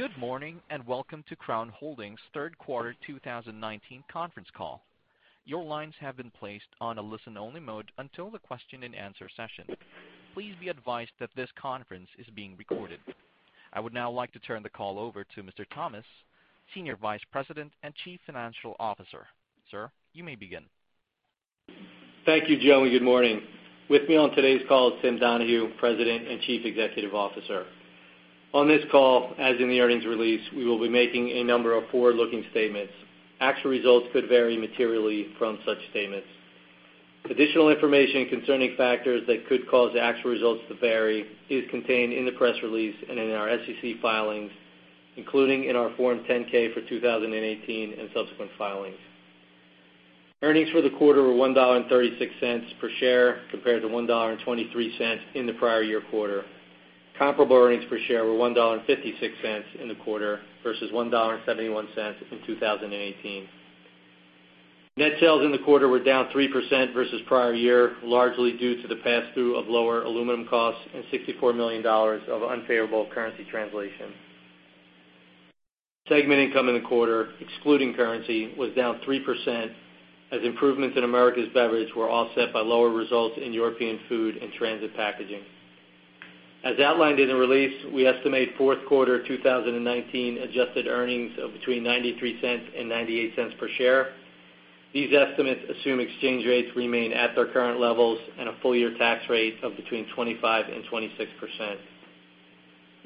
Good morning, welcome to Crown Holdings' third quarter 2019 conference call. Your lines have been placed on a listen-only mode until the question and answer session. Please be advised that this conference is being recorded. I would now like to turn the call over to Mr. Thomas, Senior Vice President and Chief Financial Officer. Sir, you may begin. Thank you, Joe, and good morning. With me on today's call is Tim Donahue, President and Chief Executive Officer. On this call, as in the earnings release, we will be making a number of forward-looking statements. Actual results could vary materially from such statements. Additional information concerning factors that could cause actual results to vary is contained in the press release and in our SEC filings, including in our Form 10-K for 2018 and subsequent filings. Earnings for the quarter were $1.36 per share compared to $1.23 in the prior year quarter. Comparable earnings per share were $1.56 in the quarter versus $1.71 in 2018. Net sales in the quarter were down 3% versus the prior year, largely due to the pass-through of lower aluminum costs and $64 million of unfavorable currency translation. Segment income in the quarter, excluding currency, was down 3%, as improvements in Americas Beverage were offset by lower results in European Food and Transit Packaging. As outlined in the release, we estimate fourth quarter 2019 adjusted earnings of between $0.93 and $0.98 per share. These estimates assume exchange rates remain at their current levels and a full-year tax rate of between 25% and 26%.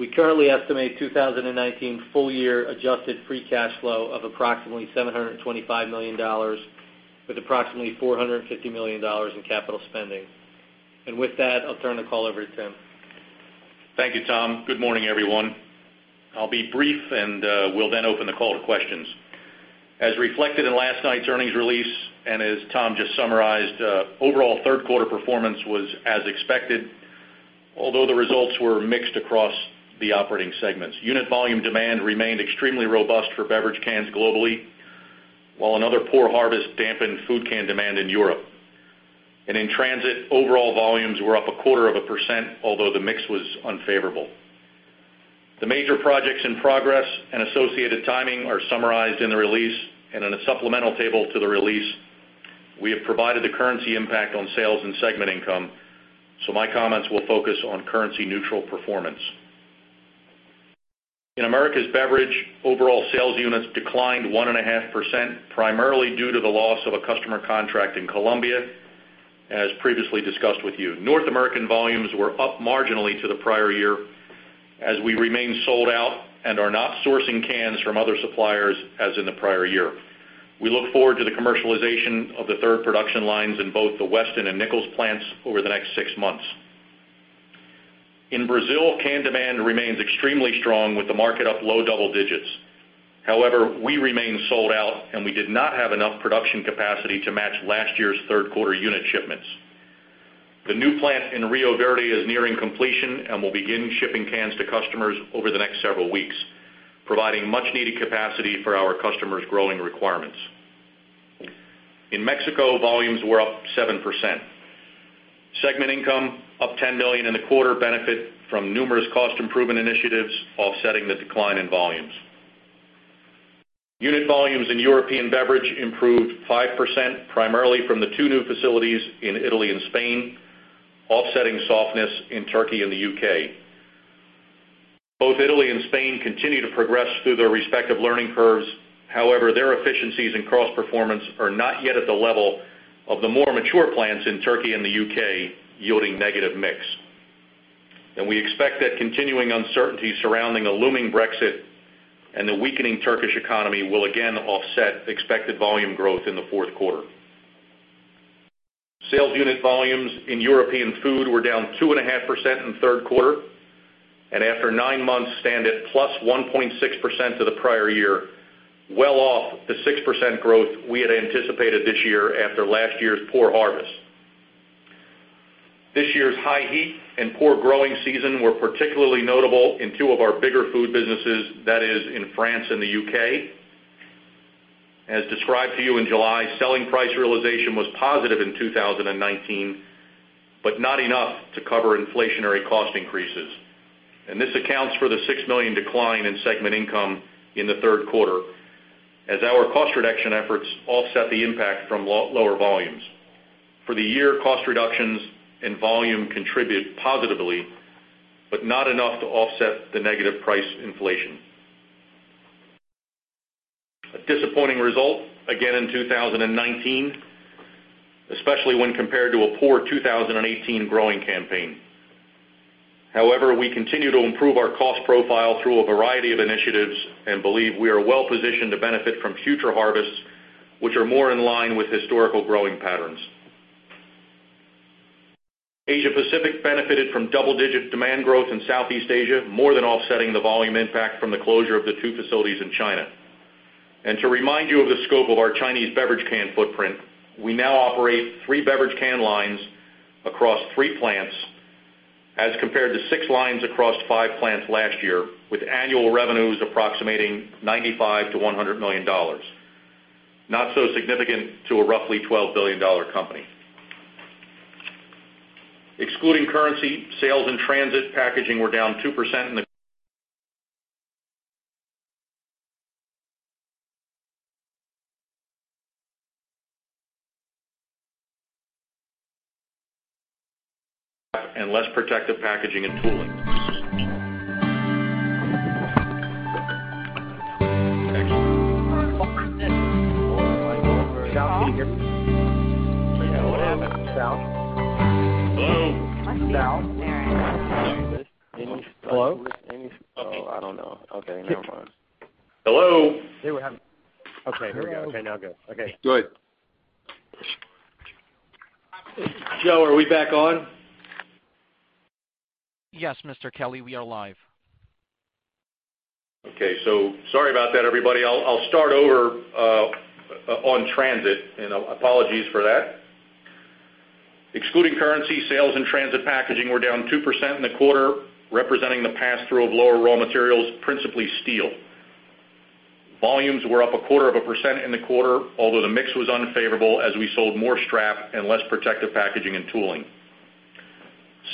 We currently estimate 2019 full-year adjusted free cash flow of approximately $725 million with approximately $450 million in capital spending. With that, I'll turn the call over to Tim. Thank you, Tom. Good morning, everyone. I'll be brief and we'll then open the call to questions. As reflected in last night's earnings release, and as Tom just summarized, overall third-quarter performance was as expected, although the results were mixed across the operating segments. Unit volume demand remained extremely robust for beverage cans globally, while another poor harvest dampened food can demand in Europe. In Transit, overall volumes were up a quarter of a percent, although the mix was unfavorable. The major projects in progress and associated timing are summarized in the release and in a supplemental table to the release. We have provided the currency impact on sales and segment income, my comments will focus on currency-neutral performance. In Americas Beverage, overall sales units declined 1.5%, primarily due to the loss of a customer contract in Colombia, as previously discussed with you. North American volumes were up marginally to the prior year, as we remain sold out and are not sourcing cans from other suppliers as in the prior year. We look forward to the commercialization of the third production lines in both the Weston and Nichols plants over the next six months. In Brazil, can demand remains extremely strong with the market up low double digits. However, we remain sold out, and we did not have enough production capacity to match last year's third-quarter unit shipments. The new plant in Rio Verde is nearing completion and will begin shipping cans to customers over the next several weeks, providing much-needed capacity for our customers' growing requirements. In Mexico, volumes were up 7%. segment income up $10 million in the quarter benefit from numerous cost improvement initiatives offsetting the decline in volumes. Unit volumes in European Beverage improved 5%, primarily from the two new facilities in Italy and Spain, offsetting softness in Turkey and the U.K. Both Italy and Spain continue to progress through their respective learning curves. However, their efficiencies and cross performance are not yet at the level of the more mature plants in Turkey and the U.K., yielding negative mix. We expect that continuing uncertainty surrounding a looming Brexit and the weakening Turkish economy will again offset expected volume growth in the fourth quarter. Sales unit volumes in European Food were down 2.5% in the third quarter, after nine months stand at plus 1.6% to the prior year, well off the 6% growth we had anticipated this year after last year's poor harvest. This year's high heat and poor growing season were particularly notable in two of our bigger food businesses, that is in France and the U.K. As described to you in July, selling price realization was positive in 2019, but not enough to cover inflationary cost increases. This accounts for the $6 million decline in segment income in the third quarter as our cost reduction efforts offset the impact from lower volumes. For the year, cost reductions and volume contribute positively, but not enough to offset the negative price inflation. A disappointing result again in 2019, especially when compared to a poor 2018 growing campaign. However, we continue to improve our cost profile through a variety of initiatives and believe we are well-positioned to benefit from future harvests, which are more in line with historical growing patterns. Asia Pacific benefited from double-digit demand growth in Southeast Asia, more than offsetting the volume impact from the closure of the two facilities in China. To remind you of the scope of our Chinese beverage can footprint, we now operate three beverage can lines across three plants as compared to six lines across five plants last year, with annual revenues approximating $95 million-$100 million. Not so significant to a roughly $12 billion company. Excluding currency, sales and Transit Packaging were down 2%, less protective packaging and tooling. Actually. Tom? Sal, can you hear me? Hello? Sal? Hello. Sal? Must be an error. Can you hear this? Hello? Oh, I don't know. Okay, never mind. Hello? Okay, here we go. Okay, now go. Okay. Go ahead. Joe, are we back on? Yes, Mr. Kelly, we are live. Okay. Sorry about that, everybody. I'll start over on transit and apologies for that. Excluding currency, sales and Transit Packaging were down 2% in the quarter, representing the pass-through of lower raw materials, principally steel. Volumes were up a quarter of a percent in the quarter, although the mix was unfavorable as we sold more strap and less protective packaging and tooling.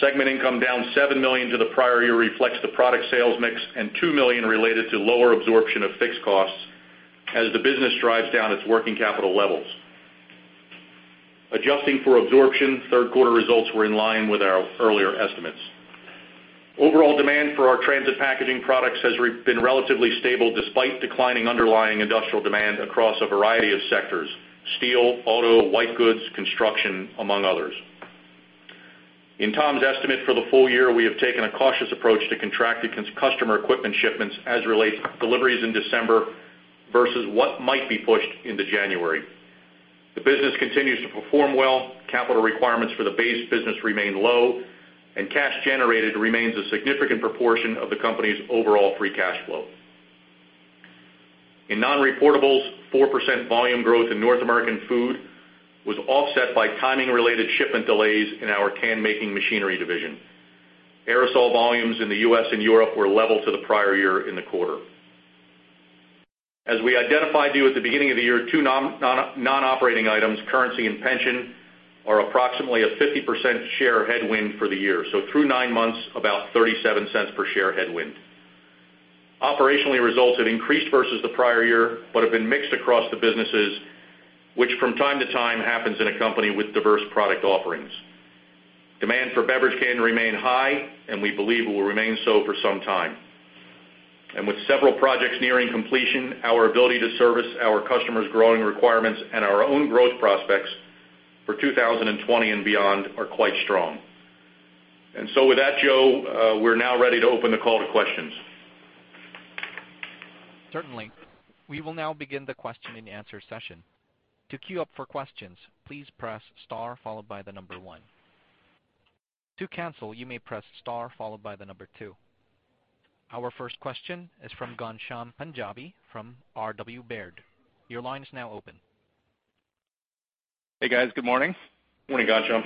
Segment income down $7 million to the prior year reflects the product sales mix and $2 million related to lower absorption of fixed costs as the business drives down its working capital levels. Adjusting for absorption, third quarter results were in line with our earlier estimates. Overall demand for our Transit Packaging products has been relatively stable despite declining underlying industrial demand across a variety of sectors: steel, auto, white goods, construction, among others. In Tom's estimate for the full year, we have taken a cautious approach to contracted customer equipment shipments as relates deliveries in December versus what might be pushed into January. The business continues to perform well. Capital requirements for the base business remain low, and cash generated remains a significant proportion of the company's overall free cash flow. In non-reportables, 4% volume growth in North American food was offset by timing-related shipment delays in our can-making machinery division. Aerosol volumes in the U.S. and Europe were level to the prior year in the quarter. As we identified to you at the beginning of the year, two non-operating items, currency and pension, are approximately a 50% share headwind for the year. Through nine months, about $0.37 per share headwind. Operationally, results have increased versus the prior year, but have been mixed across the businesses, which from time to time happens in a company with diverse product offerings. Demand for beverage can remain high, and we believe it will remain so for some time. With several projects nearing completion, our ability to service our customers' growing requirements and our own growth prospects for 2020 and beyond are quite strong. With that, Joe, we're now ready to open the call to questions. Certainly. We will now begin the question and answer session. To queue up for questions, please press star followed by the number 1. To cancel, you may press star followed by the number 2. Our first question is from Ghansham Panjabi from RW Baird. Your line is now open. Hey, guys. Good morning. Morning, Ghansham.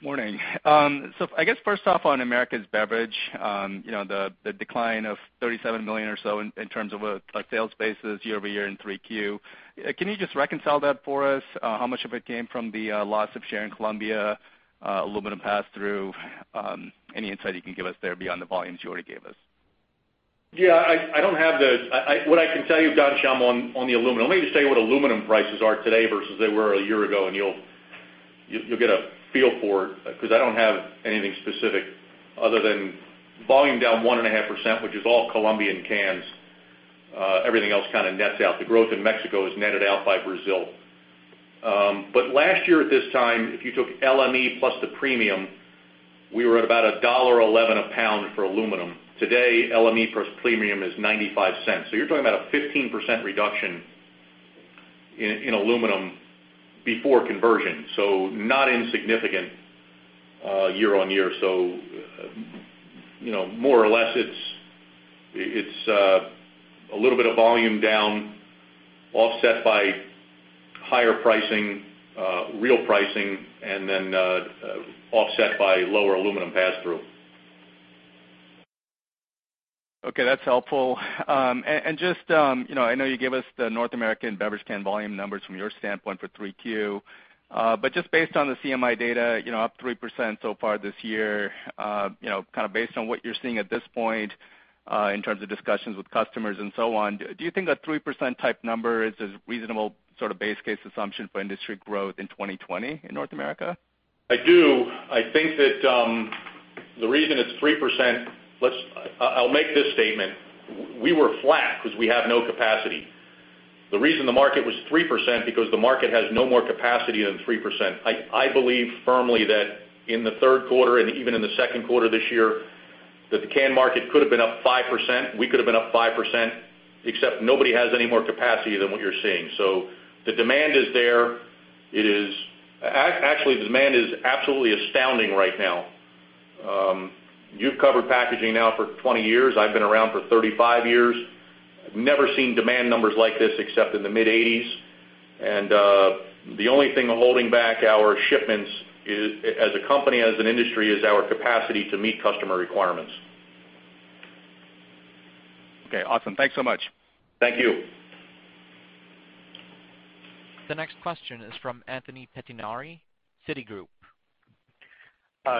Morning. I guess first off, on Americas Beverage, the decline of $37 million or so in terms of a sales basis year-over-year in 3Q. Can you just reconcile that for us? How much of it came from the loss of share in Colombia, aluminum pass through? Any insight you can give us there beyond the volumes you already gave us? Yeah, what I can tell you, Ghansham, on the aluminum. Let me just tell you what aluminum prices are today versus they were a year ago, and you'll get a feel for it, because I don't have anything specific other than volume down 1.5%, which is all Colombian cans. Everything else kind of nets out. The growth in Mexico is netted out by Brazil. Last year at this time, if you took LME plus the premium, we were at about $1.11 a pound for aluminum. Today, LME plus premium is $0.95. You're talking about a 15% reduction in aluminum before conversion. Not insignificant year-on-year. More or less, it's a little bit of volume down offset by higher pricing, real pricing, and then offset by lower aluminum pass through. Okay, that's helpful. I know you gave us the North American beverage can volume numbers from your standpoint for 3Q. Just based on the CMI data, up 3% so far this year. Based on what you're seeing at this point in terms of discussions with customers and so on, do you think that 3% type number is a reasonable sort of base case assumption for industry growth in 2020 in North America? I do. I think that the reason it's 3%. I'll make this statement. We were flat because we have no capacity. The reason the market was 3%, because the market has no more capacity than 3%. I believe firmly that in the third quarter, and even in the second quarter this year, that the can market could have been up 5%. We could have been up 5%, except nobody has any more capacity than what you're seeing. The demand is there. Actually, the demand is absolutely astounding right now. You've covered packaging now for 20 years. I've been around for 35 years. I've never seen demand numbers like this except in the mid-'80s. The only thing holding back our shipments as a company, as an industry, is our capacity to meet customer requirements. Okay, awesome. Thanks so much. Thank you. The next question is from Anthony Pettinari, Citigroup.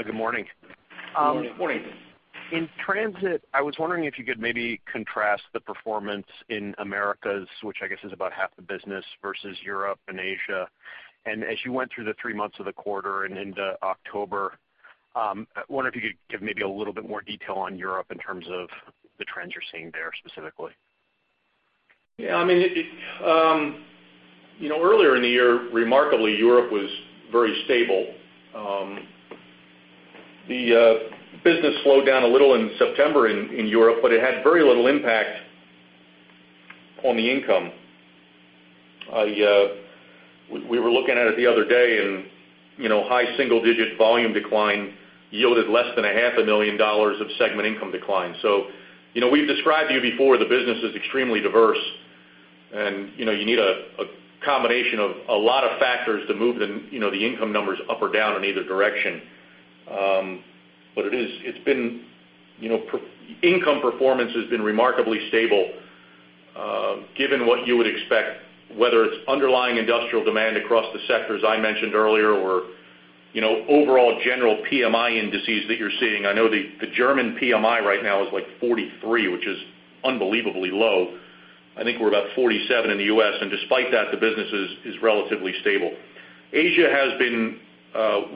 Good morning. Good morning. Morning. In Transit Packaging, I was wondering if you could maybe contrast the performance in Americas, which I guess is about half the business, versus Europe and Asia. As you went through the three months of the quarter and into October, I wonder if you could give maybe a little bit more detail on Europe in terms of the trends you're seeing there specifically. Yeah. Earlier in the year, remarkably, Europe was very stable. The business slowed down a little in September in Europe, it had very little impact on the income. We were looking at it the other day, high single-digit volume decline yielded less than a half a million dollars of segment income decline. We've described to you before, the business is extremely diverse. You need a combination of a lot of factors to move the income numbers up or down in either direction. Income performance has been remarkably stable, given what you would expect, whether it's underlying industrial demand across the sectors I mentioned earlier or overall general PMI indices that you're seeing. I know the German PMI right now is, like, 43, which is unbelievably low. I think we're about 47 in the U.S., despite that, the business is relatively stable. Asia has been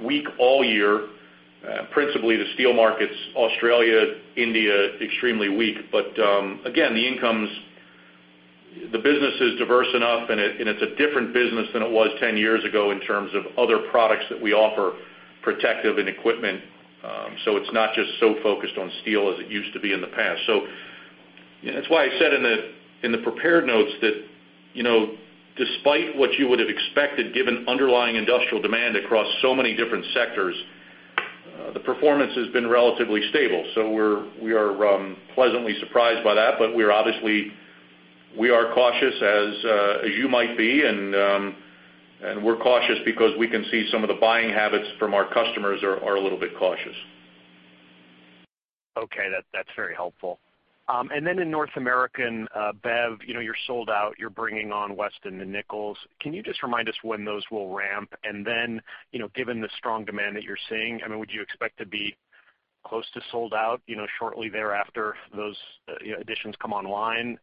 weak all year, principally the steel markets, Australia, India, extremely weak. Again, the business is diverse enough and it's a different business than it was 10 years ago in terms of other products that we offer, protective and equipment. It's not just so focused on steel as it used to be in the past. That's why I said in the prepared notes that despite what you would've expected, given underlying industrial demand across so many different sectors, the performance has been relatively stable. We are pleasantly surprised by that, we are cautious as you might be, and we're cautious because we can see some of the buying habits from our customers are a little bit cautious. Okay. That's very helpful. In Americas Beverage, you're sold out, you're bringing on Weston and Nichols. Can you just remind us when those will ramp? Given the strong demand that you're seeing, would you expect to be close to sold out shortly thereafter those additions come online?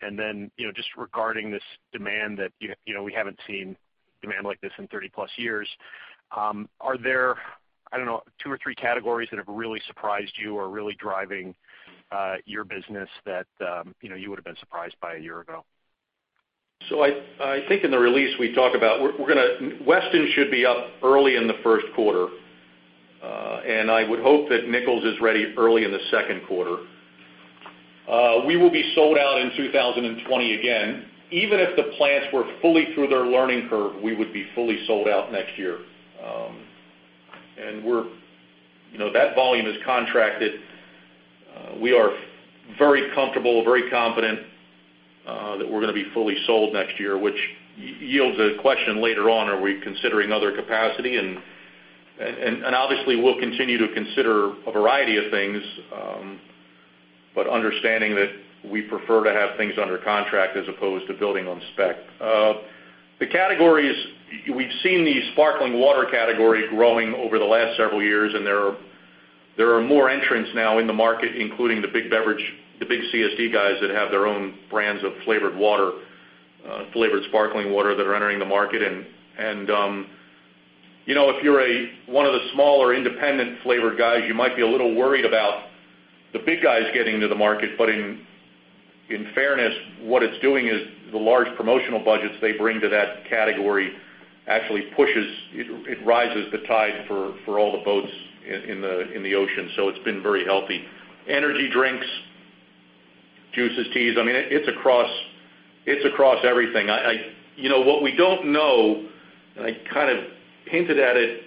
Just regarding this demand that we haven't seen demand like this in 30-plus years, are there, I don't know, two or three categories that have really surprised you or really driving your business that you would've been surprised by a year ago? I think in the release we talk about Weston should be up early in the first quarter. I would hope that Nichols is ready early in the second quarter. We will be sold out in 2020 again. Even if the plants were fully through their learning curve, we would be fully sold out next year. That volume is contracted. We are very comfortable, very confident, that we're going to be fully sold next year, which yields a question later on, are we considering other capacity? Obviously, we'll continue to consider a variety of things, but understanding that we prefer to have things under contract as opposed to building on spec. The categories, we've seen the sparkling water category growing over the last several years. There are more entrants now in the market, including the big CSD guys that have their own brands of flavored sparkling water that are entering the market. If you're one of the smaller independent flavored guys, you might be a little worried about the big guys getting into the market. In fairness, what it's doing is the large promotional budgets they bring to that category actually it rises the tide for all the boats in the ocean, so it's been very healthy. Energy drinks, juices, teas, it's across everything. What we don't know, and I kind of hinted at it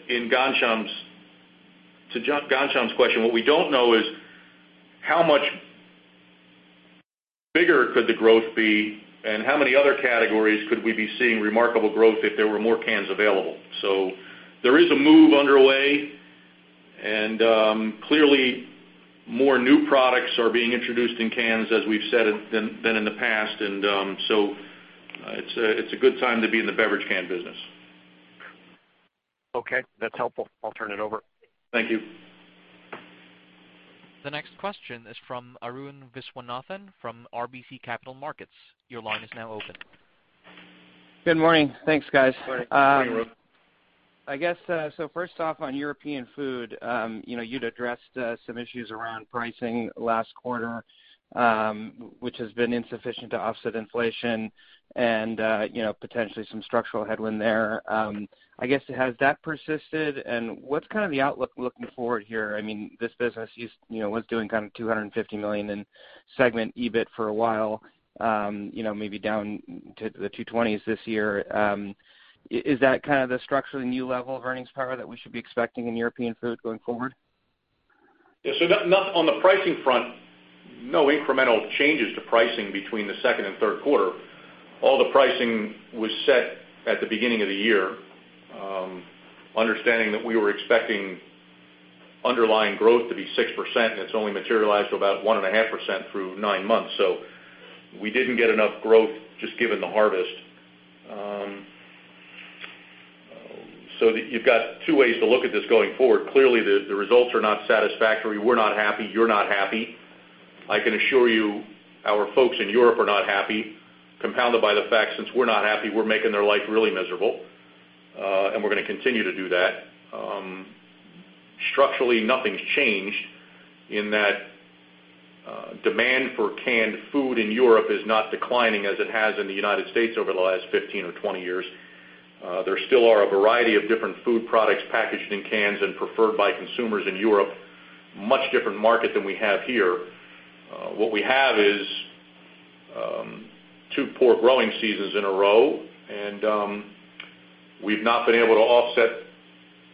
to Ghansham's question, what we don't know is how much bigger could the growth be, and how many other categories could we be seeing remarkable growth if there were more cans available. There is a move underway, and clearly more new products are being introduced in cans, as we've said, than in the past. It's a good time to be in the beverage can business. Okay. That's helpful. I'll turn it over. Thank you. The next question is from Arun Viswanathan from RBC Capital Markets. Your line is now open. Good morning. Thanks, guys. Morning. I guess, first off on European Food, you'd addressed some issues around pricing last quarter, which has been insufficient to offset inflation and potentially some structural headwind there. I guess, has that persisted? What's the outlook looking forward here? This business was doing $250 million in segment EBIT for a while, maybe down to the $220s this year. Is that the structurally new level of earnings power that we should be expecting in European Food going forward? On the pricing front, no incremental changes to pricing between the second and third quarter. All the pricing was set at the beginning of the year, understanding that we were expecting underlying growth to be 6%, and it's only materialized to about 1.5% through nine months. We didn't get enough growth just given the harvest. You've got two ways to look at this going forward. Clearly, the results are not satisfactory. We're not happy. You're not happy. I can assure you our folks in Europe are not happy, compounded by the fact, since we're not happy, we're making their life really miserable. We're going to continue to do that. Structurally, nothing's changed in that demand for canned food in Europe is not declining as it has in the U.S. over the last 15 or 20 years. There still are a variety of different food products packaged in cans and preferred by consumers in Europe, much different market than we have here. What we have is two poor growing seasons in a row, we've not been able to offset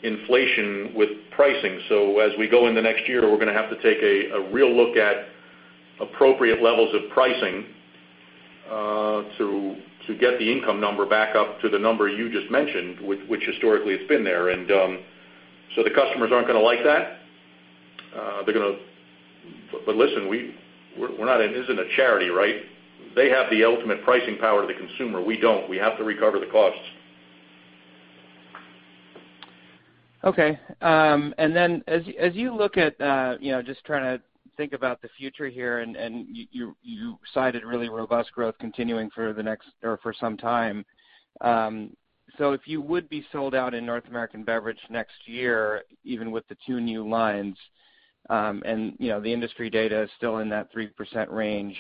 inflation with pricing. As we go in the next year, we're going to have to take a real look at appropriate levels of pricing to get the income number back up to the number you just mentioned, which historically has been there. The customers aren't going to like that. Listen, this isn't a charity, right? They have the ultimate pricing power to the consumer. We don't. We have to recover the costs. Okay. As you look at, just trying to think about the future here, you cited really robust growth continuing for the next or for some time. If you would be sold out in North American beverage next year, even with the two new lines, and the industry data is still in that 3% range,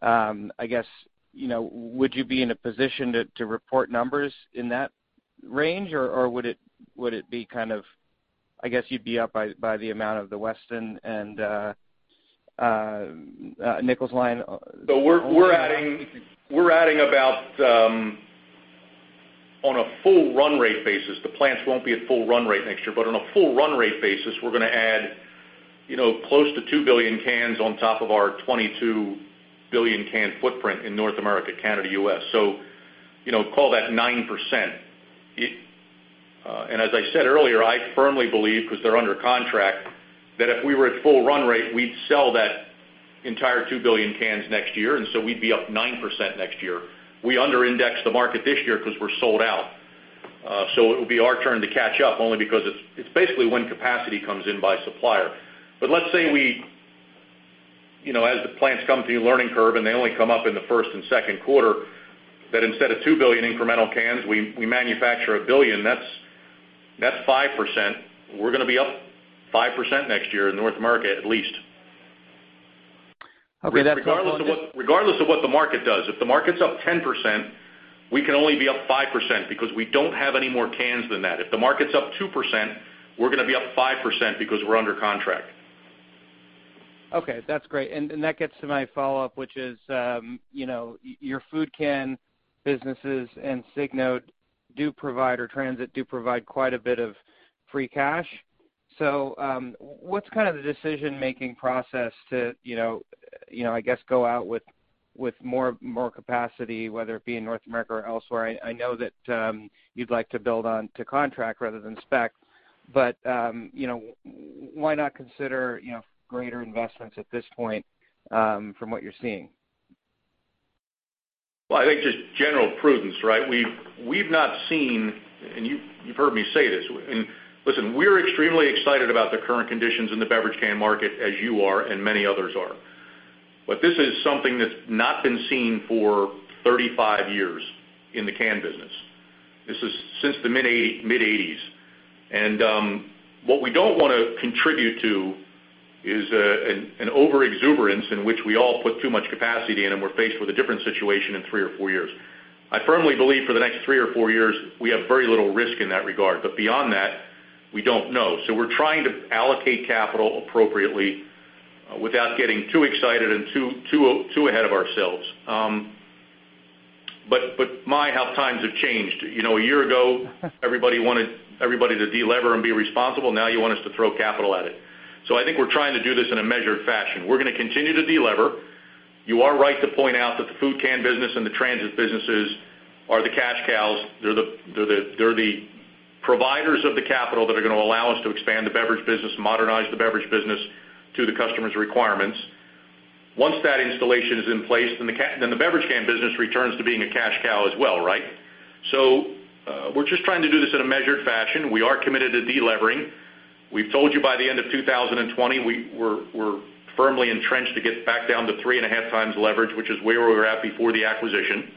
I guess, would you be in a position to report numbers in that range, or would it be kind of I guess you'd be up by the amount of the Weston and Nichols line. We're adding about, on a full run rate basis, the plants won't be at full run rate next year, but on a full run rate basis, we're going to add close to 2 billion cans on top of our 22 billion can footprint in North America, Canada, U.S. Call that 9%. As I said earlier, I firmly believe, because they're under contract, that if we were at full run rate, we'd sell that entire 2 billion cans next year, and so we'd be up 9% next year. We under-indexed the market this year because we're sold out. It'll be our turn to catch up only because it's basically when capacity comes in by supplier. Let's say as the plants come through learning curve and they only come up in the first and second quarter, that instead of 2 billion incremental cans, we manufacture 1 billion. That's 5%. We're going to be up 5% next year in North America, at least. Okay. Regardless of what the market does. If the market's up 10%, we can only be up 5% because we don't have any more cans than that. If the market's up 2%, we're going to be up 5% because we're under contract. Okay, that's great. That gets to my follow-up, which is, your food can businesses and Signode do provide, or Transit do provide quite a bit of free cash. What's the decision-making process to go out with more capacity, whether it be in North America or elsewhere? I know that you'd like to build on to contract rather than spec, why not consider greater investments at this point from what you're seeing? Well, I think just general prudence, right? We've not seen, you've heard me say this. Listen, we're extremely excited about the current conditions in the beverage can market as you are and many others are. This is something that's not been seen for 35 years in the can business. This is since the mid '80s. What we don't want to contribute to is an overexuberance in which we all put too much capacity in and we're faced with a different situation in three or four years. I firmly believe for the next three or four years, we have very little risk in that regard. Beyond that, we don't know. We're trying to allocate capital appropriately without getting too excited and too ahead of ourselves. My, how times have changed. A year ago, everybody wanted everybody to de-lever and be responsible. Now you want us to throw capital at it. I think we're trying to do this in a measured fashion. We're going to continue to de-lever. You are right to point out that the food can business and the transit businesses are the cash cows. They're the providers of the capital that are going to allow us to expand the beverage business, modernize the beverage business to the customers' requirements. Once that installation is in place, the beverage can business returns to being a cash cow as well, right? We're just trying to do this in a measured fashion. We are committed to de-levering. We've told you by the end of 2020, we're firmly entrenched to get back down to three and a half times leverage, which is where we were at before the acquisition.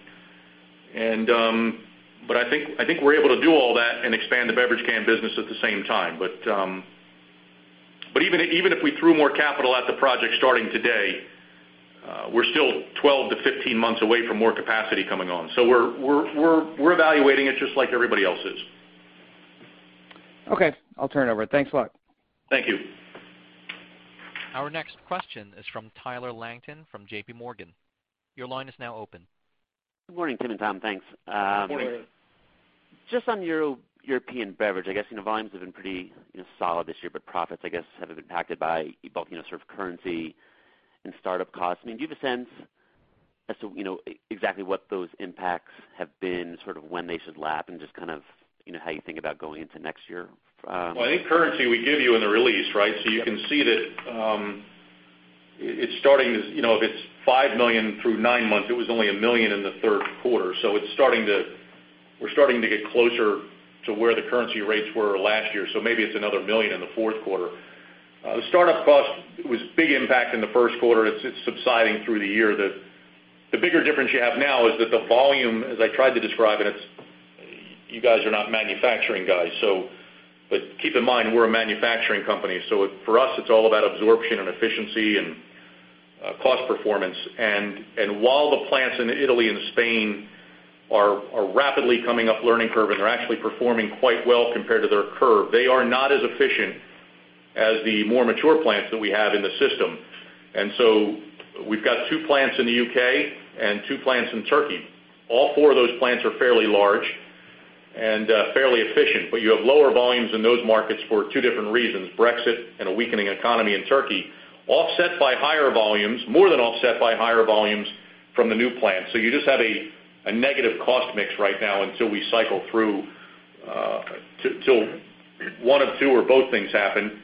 I think we're able to do all that and expand the beverage can business at the same time. Even if we threw more capital at the project starting today, we're still 12-15 months away from more capacity coming on. We're evaluating it just like everybody else is. Okay, I'll turn it over. Thanks a lot. Thank you. Our next question is from Tyler Langton from JPMorgan. Your line is now open. Good morning, Tim and Tom. Thanks. Good morning. Just on your European Beverage, I guess volumes have been pretty solid this year, but profits, I guess, have been impacted by both sort of currency and startup costs. I mean, do you have a sense exactly what those impacts have been, when they should lap, and just how you think about going into next year? Well, I think currency we give you in the release, right? You can see that it's starting as-- if it's $5 million through 9 months, it was only $1 million in the third quarter. We're starting to get closer to where the currency rates were last year. Maybe it's another $1 million in the fourth quarter. The startup cost was big impact in the first quarter. It's subsiding through the year. The bigger difference you have now is that the volume, as I tried to describe, and you guys are not manufacturing guys, but keep in mind, we're a manufacturing company, for us, it's all about absorption and efficiency and cost performance. While the plants in Italy and Spain are rapidly coming up learning curve and are actually performing quite well compared to their curve, they are not as efficient as the more mature plants that we have in the system. We've got two plants in the U.K. and two plants in Turkey. All four of those plants are fairly large and fairly efficient. You have lower volumes in those markets for two different reasons, Brexit and a weakening economy in Turkey, more than offset by higher volumes from the new plant. You just have a negative cost mix right now until we cycle through, till one of two or both things happen,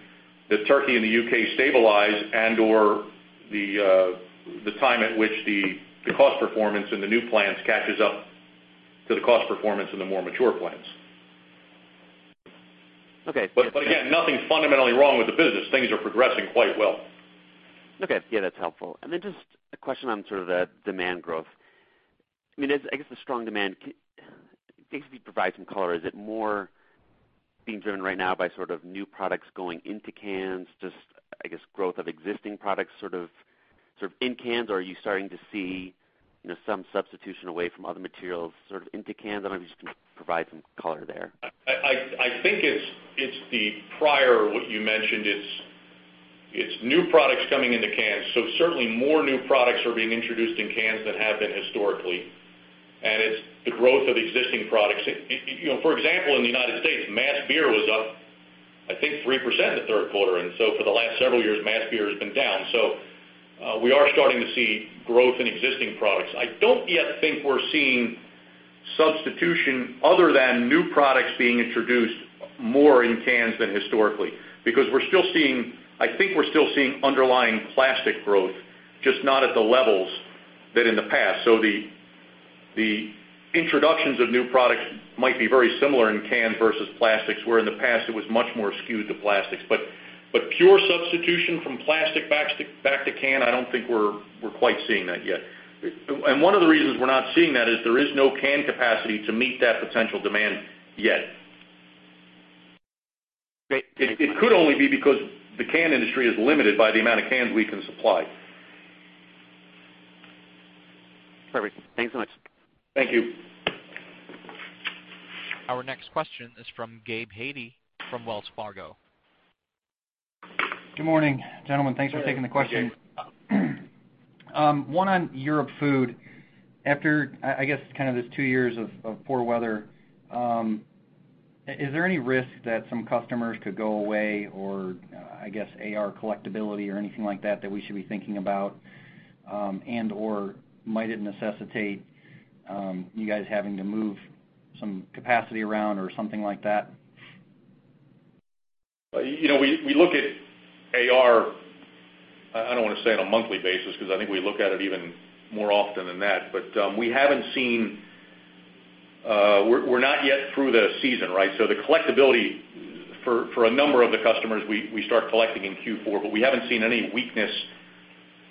that Turkey and the U.K. stabilize and/or the time at which the cost performance in the new plants catches up to the cost performance in the more mature plants. Okay. Again, nothing fundamentally wrong with the business. Things are progressing quite well. Okay. Yeah, that's helpful. Just a question on sort of the demand growth. I guess the strong demand, can you basically provide some color? Is it more being driven right now by sort of new products going into cans, just, I guess, growth of existing products sort of in cans? Are you starting to see some substitution away from other materials into cans? I don't know if you can just provide some color there. I think it's the prior, what you mentioned, it's new products coming into cans. Certainly more new products are being introduced in cans than have been historically. It's the growth of existing products. For example, in the United States, mass beer was up, I think, 3% in the third quarter. For the last several years, mass beer has been down. We are starting to see growth in existing products. I don't yet think we're seeing substitution other than new products being introduced more in cans than historically, because I think we're still seeing underlying plastic growth, just not at the levels than in the past. The introductions of new products might be very similar in cans versus plastics, where in the past it was much more skewed to plastics. Pure substitution from plastic back to can, I don't think we're quite seeing that yet. One of the reasons we're not seeing that is there is no can capacity to meet that potential demand yet. It could only be because the can industry is limited by the amount of cans we can supply. Perfect. Thanks so much. Thank you. Our next question is from Gabe Hajde from Wells Fargo. Good morning, gentlemen. Thanks for taking the question. Hey, Gabe. One on European Food. After, I guess, kind of this two years of poor weather, is there any risk that some customers could go away or, I guess, AR collectibility or anything like that we should be thinking about? Might it necessitate you guys having to move some capacity around or something like that? We look at AR, I don't want to say on a monthly basis, because I think we look at it even more often than that. We're not yet through the season, right? The collectibility for a number of the customers, we start collecting in Q4, but we haven't seen any weakness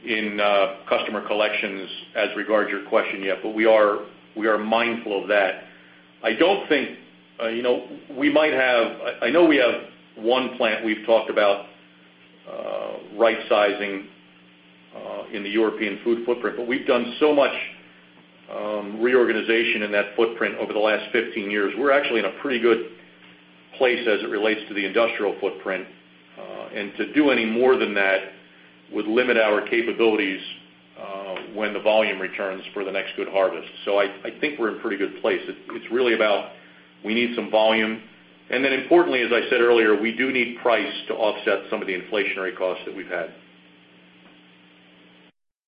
in customer collections as regards your question yet. We are mindful of that. I know we have one plant we've talked about right-sizing in the European Food footprint, but we've done so much reorganization in that footprint over the last 15 years. We're actually in a pretty good place as it relates to the industrial footprint. To do any more than that would limit our capabilities when the volume returns for the next good harvest. I think we're in a pretty good place. It's really about we need some volume. Importantly, as I said earlier, we do need price to offset some of the inflationary costs that we've had.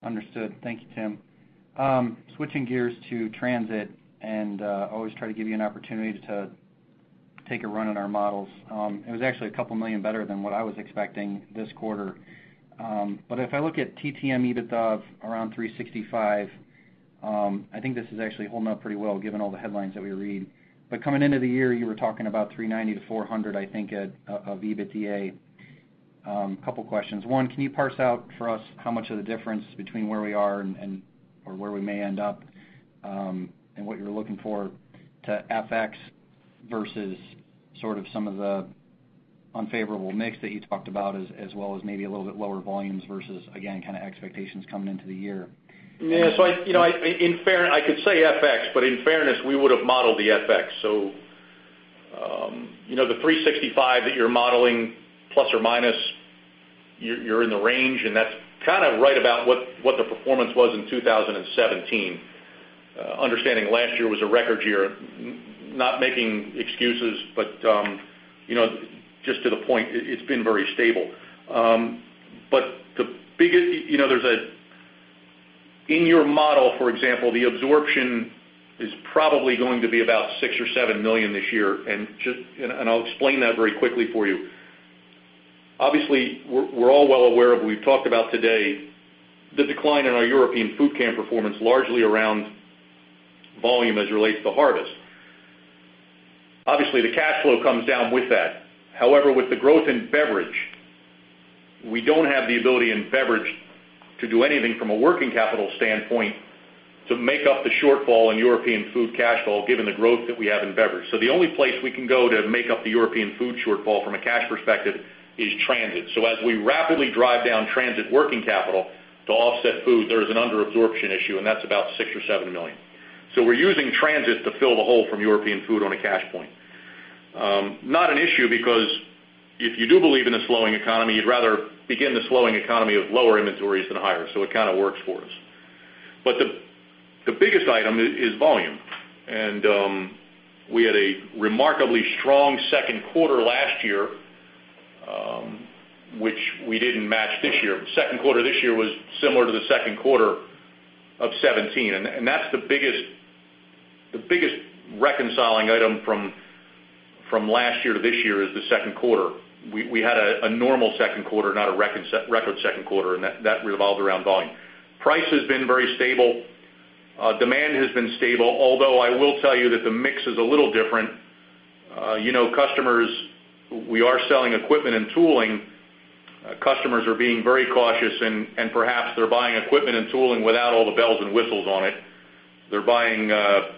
Understood. Thank you, Tim. Switching gears to Transit, and I always try to give you an opportunity to take a run at our models. It was actually $couple million better than what I was expecting this quarter. If I look at TTM EBITDA of around $365, I think this is actually holding up pretty well given all the headlines that we read. Coming into the year, you were talking about $390-$400, I think of EBITDA. Couple questions. One, can you parse out for us how much of the difference between where we are or where we may end up and what you're looking for to FX versus sort of some of the unfavorable mix that you talked about as well as maybe a little bit lower volumes versus, again, kind of expectations coming into the year? I could say FX, but in fairness, we would've modeled the FX. The 365 that you're modeling, ±, you're in the range, and that's kind of right about what the performance was in 2017. Understanding last year was a record year, not making excuses, but just to the point, it's been very stable. In your model, for example, the absorption is probably going to be about $6 million or $7 million this year. I'll explain that very quickly for you. Obviously, we're all well aware of, we've talked about today the decline in our European Food can performance largely around volume as it relates to harvest. Obviously, the cash flow comes down with that. However, with the growth in beverage, we don't have the ability in beverage to do anything from a working capital standpoint to make up the shortfall in European Food cash flow, given the growth that we have in beverage. The only place we can go to make up the European Food shortfall from a cash perspective is Transit. As we rapidly drive down Transit working capital to offset food, there is an under-absorption issue, and that's about $6 million or $7 million. We're using Transit to fill the hole from European Food on a cash point. Not an issue because if you do believe in a slowing economy, you'd rather begin the slowing economy of lower inventories than higher. It kind of works for us. The biggest item is volume. We had a remarkably strong second quarter last year, which we didn't match this year. Second quarter this year was similar to the second quarter of 2017, and that's the biggest reconciling item from last year to this year is the second quarter. We had a normal second quarter, not a record second quarter, and that revolved around volume. Price has been very stable. Demand has been stable, although I will tell you that the mix is a little different. Customers, we are selling equipment and tooling. Customers are being very cautious and perhaps they're buying equipment and tooling without all the bells and whistles on it. They're buying the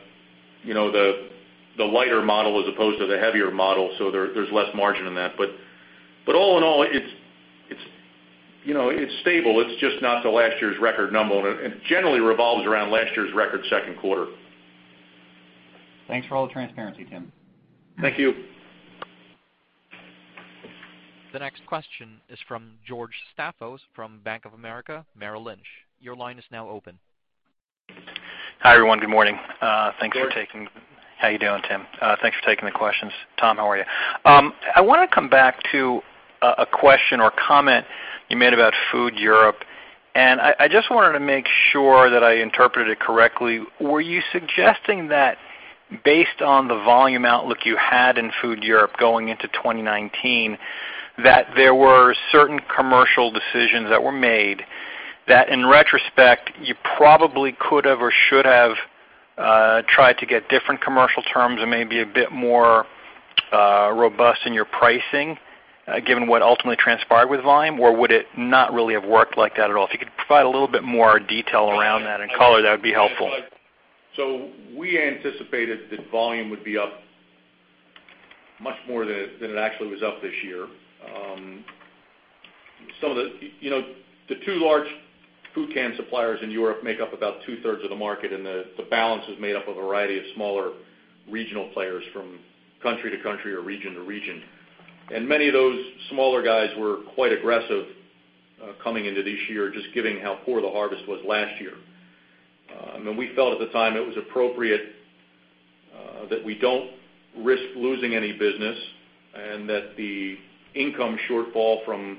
lighter model as opposed to the heavier model, so there's less margin in that. All in all, it's stable. It's just not to last year's record number, and it generally revolves around last year's record second quarter. Thanks for all the transparency, Tim. Thank you. The next question is from George Staphos from Bank of America Merrill Lynch. Your line is now open. Hi, everyone. Good morning. George. How you doing, Tim? Thanks for taking the questions. Tom, how are you? I want to come back to a question or comment you made about Food Europe, and I just wanted to make sure that I interpreted it correctly. Were you suggesting that based on the volume outlook you had in Food Europe going into 2019, that there were certain commercial decisions that were made that in retrospect, you probably could have or should have tried to get different commercial terms and maybe a bit more robust in your pricing, given what ultimately transpired with volume? Or would it not really have worked like that at all? If you could provide a little bit more detail around that and color, that would be helpful. We anticipated that volume would be up much more than it actually was up this year. The two large food can suppliers in Europe make up about two-thirds of the market, and the balance is made up of a variety of smaller regional players from country to country or region to region. Many of those smaller guys were quite aggressive coming into this year, just given how poor the harvest was last year. We felt at the time it was appropriate that we don't risk losing any business and that the income shortfall from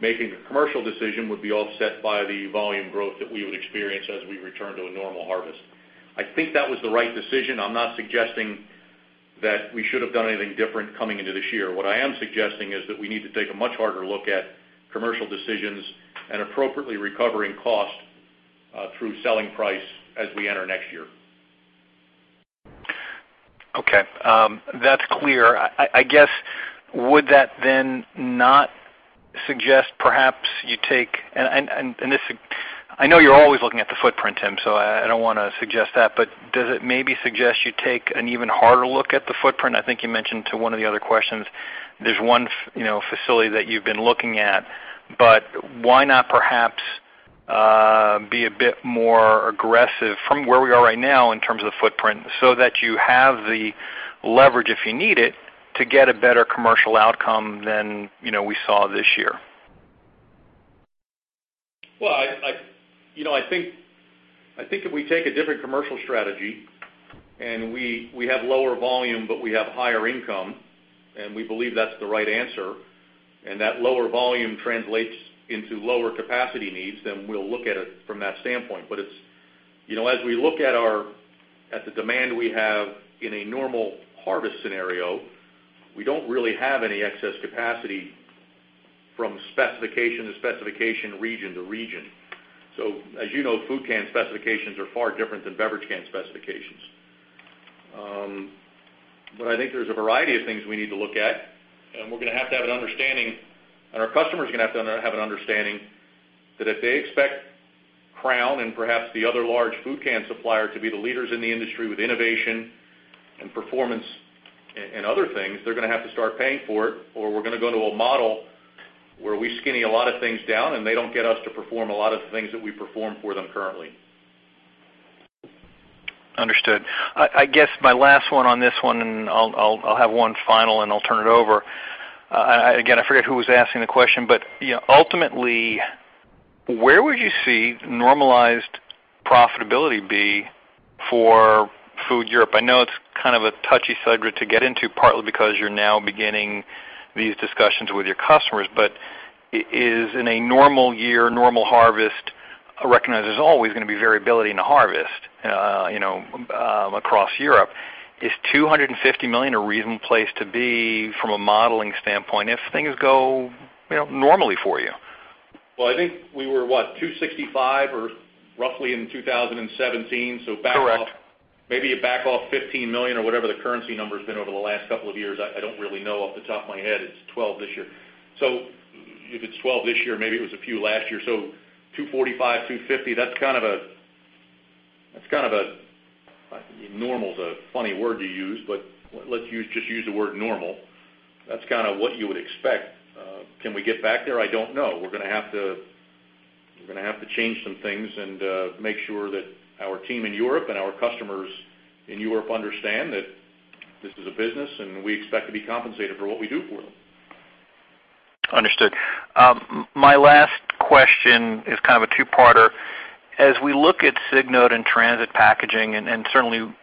making the commercial decision would be offset by the volume growth that we would experience as we return to a normal harvest. I think that was the right decision. I'm not suggesting that we should have done anything different coming into this year. What I am suggesting is that we need to take a much harder look at commercial decisions and appropriately recovering cost through selling price as we enter next year. Okay. That's clear. I guess, would that then not suggest perhaps I know you're always looking at the footprint, Tim, so I don't want to suggest that, but does it maybe suggest you take an even harder look at the footprint? I think you mentioned to one of the other questions, there's one facility that you've been looking at. Why not perhaps be a bit more aggressive from where we are right now in terms of footprint so that you have the leverage if you need it to get a better commercial outcome than we saw this year? Well, I think if we take a different commercial strategy and we have lower volume, but we have higher income, and we believe that's the right answer, and that lower volume translates into lower capacity needs, then we'll look at it from that standpoint. As we look at the demand we have in a normal harvest scenario, we don't really have any excess capacity from specification to specification, region to region. As you know, food can specifications are far different than beverage can specifications. I think there's a variety of things we need to look at, and we're going to have to have an understanding, and our customers are going to have to have an understanding that if they expect Crown and perhaps the other large food can supplier to be the leaders in the industry with innovation and performance and other things, they're going to have to start paying for it, or we're going to go to a model where we skinny a lot of things down, and they don't get us to perform a lot of the things that we perform for them currently. Understood. I guess my last one on this one, and I'll have one final, and I'll turn it over. Again, I forget who was asking the question, but ultimately, where would you see normalized profitability be for European Food? I know it's kind of a touchy subject to get into, partly because you're now beginning these discussions with your customers, but is in a normal year, normal harvest, I recognize there's always going to be variability in the harvest across Europe. Is $250 million a reasonable place to be from a modeling standpoint if things go normally for you? Well, I think we were, what, $265 or roughly in 2017. Correct. Maybe you back off $15 million or whatever the currency number's been over the last couple of years. I don't really know off the top of my head. It's $12 this year. If it's $12 this year, maybe it was a few last year. $245 million, $250 million, that's kind of normal is a funny word to use, but let's just use the word normal. That's kind of what you would expect. Can we get back there? I don't know. We're going to have to change some things and make sure that our team in Europe and our customers in Europe understand that this is a business, and we expect to be compensated for what we do for them. Understood. My last question is kind of a two-parter. As we look at Signode and Transit Packaging, and certainly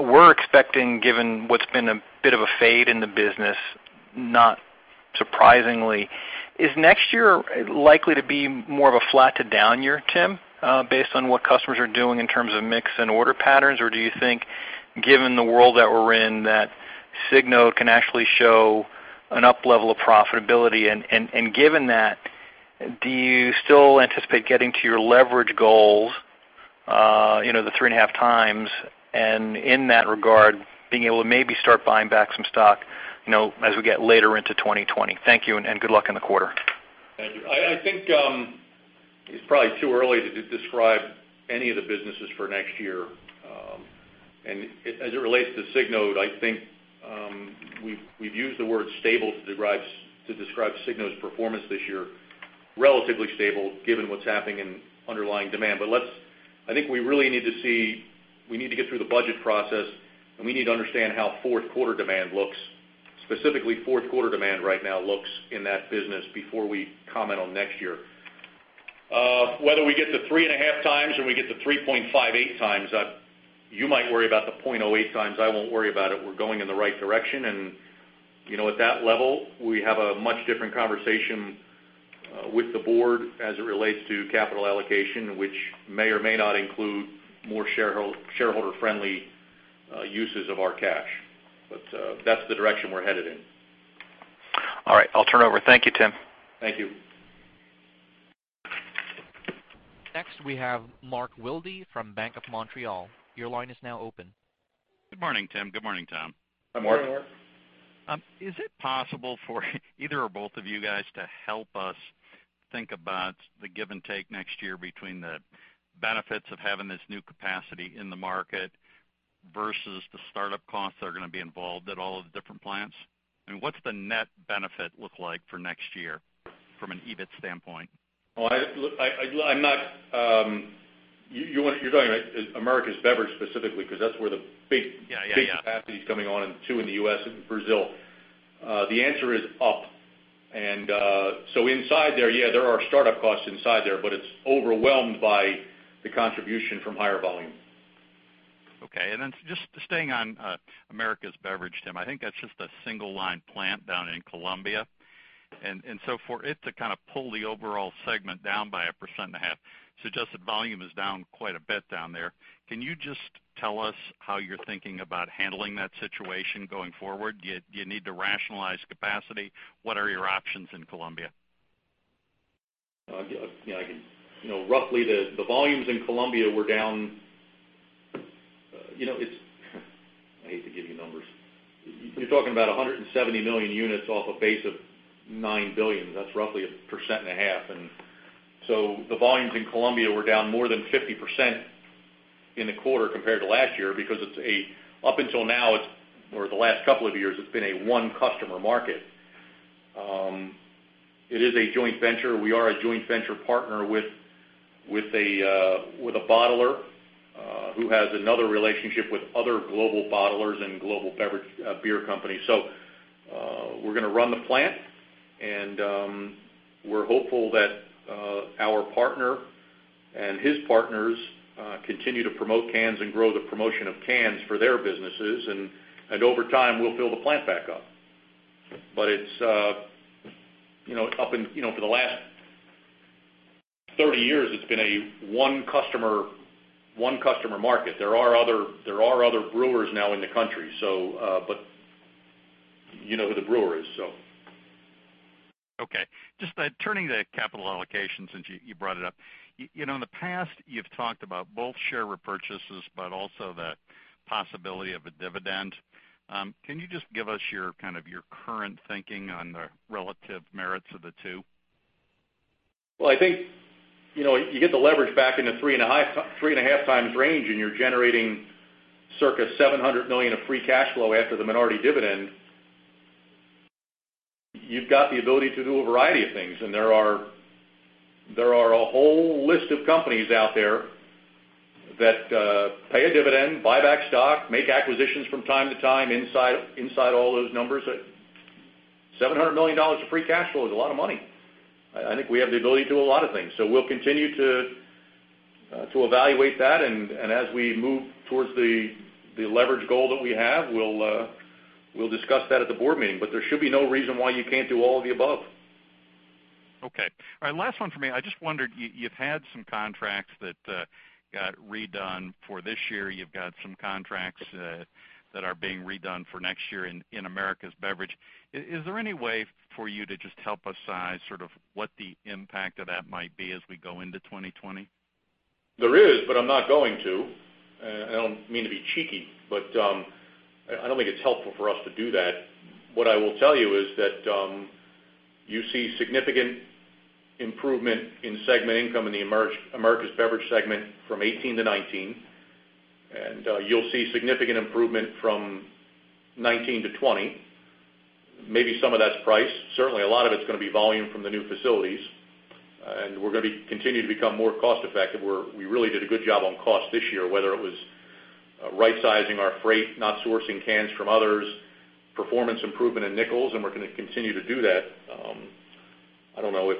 we're expecting, given what's been a bit of a fade in the business, not surprisingly, is next year likely to be more of a flat to down year, Tim, based on what customers are doing in terms of mix and order patterns? Do you think, given the world that we're in, that Signode can actually show an up-level of profitability? Given that, do you still anticipate getting to your leverage goals, the 3.5 times, and in that regard, being able to maybe start buying back some stock as we get later into 2020? Thank you, and good luck in the quarter. Thank you. I think it's probably too early to describe any of the businesses for next year. As it relates to Signode, I think we've used the word stable to describe Signode's performance this year, relatively stable given what's happening in underlying demand. I think we really need to get through the budget process, and we need to understand how fourth quarter demand looks, specifically fourth quarter demand right now looks in that business before we comment on next year. Whether we get to 3.5 times or we get to 3.58 times, you might worry about the 0.08 times. I won't worry about it. We're going in the right direction. At that level, we have a much different conversation with the board as it relates to capital allocation, which may or may not include more shareholder-friendly uses of our cash. That's the direction we're headed in. All right. I'll turn over. Thank you, Tim. Thank you. Next, we have Mark Wilde from Bank of Montreal. Your line is now open. Good morning, Tim. Good morning, Tom. Hi, Mark. Is it possible for either or both of you guys to help us think about the give and take next year between the benefits of having this new capacity in the market versus the startup costs that are going to be involved at all of the different plants? What's the net benefit look like for next year from an EBIT standpoint? You're talking about Americas Beverage specifically, because that's where the big. Yeah big capacity is coming on in two, in the U.S. and Brazil. The answer is up. Inside there, yeah, there are startup costs inside there, but it's overwhelmed by the contribution from higher volume. Okay. Just staying on Americas Beverage, Tim, I think that's just a single-line plant down in Colombia. For it to kind of pull the overall segment down by 1.5% suggests that volume is down quite a bit down there. Can you just tell us how you're thinking about handling that situation going forward? Do you need to rationalize capacity? What are your options in Colombia? The volumes in Colombia were down. I hate to give you numbers. You're talking about 170 million units off a base of nine billion. That's roughly 1.5%. The volumes in Colombia were down more than 50% in the quarter compared to last year because up until now, or the last couple of years, it's been a one-customer market. It is a joint venture. We are a joint venture partner with a bottler who has another relationship with other global bottlers and global beverage beer companies. We're going to run the plant, and we're hopeful that our partner and his partners continue to promote cans and grow the promotion of cans for their businesses. Over time, we'll fill the plant back up. For the last 30 years, it's been a one-customer market. There are other brewers now in the country. You know who the brewer is. Okay. Just turning to capital allocation, since you brought it up. In the past, you've talked about both share repurchases, but also the possibility of a dividend. Can you just give us your kind of your current thinking on the relative merits of the two? Well, I think, you get the leverage back in the three and a half times range, and you're generating circa $700 million of free cash flow after the minority dividend. You've got the ability to do a variety of things, and there are a whole list of companies out there that pay a dividend, buy back stock, make acquisitions from time to time inside all those numbers. $700 million of free cash flow is a lot of money. I think we have the ability to do a lot of things. We'll continue to evaluate that, and as we move towards the leverage goal that we have, we'll discuss that at the board meeting. There should be no reason why you can't do all of the above. Okay. All right, last one for me. I just wondered, you've had some contracts that got redone for this year. You've got some contracts that are being redone for next year in Americas Beverage. Is there any way for you to just help us size sort of what the impact of that might be as we go into 2020? There is, but I'm not going to. I don't mean to be cheeky, but I don't think it's helpful for us to do that. What I will tell you is that you see significant improvement in segment income in the Americas Beverage segment from 2018 to 2019, and you'll see significant improvement from 2019 to 2020. Maybe some of that's price. Certainly, a lot of it's going to be volume from the new facilities. We're going to continue to become more cost-effective, where we really did a good job on cost this year, whether it was right-sizing our freight, not sourcing cans from others, performance improvement in Nichols, and we're going to continue to do that. I don't know if